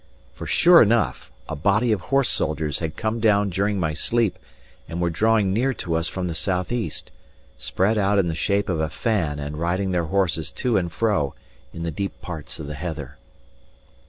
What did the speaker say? For sure enough, a body of horse soldiers had come down during my sleep, and were drawing near to us from the south east, spread out in the shape of a fan and riding their horses to and fro in the deep parts of the heather.